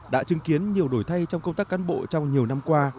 đã chứng kiến nhiều đổi thay trong công tác cán bộ trong nhiều năm qua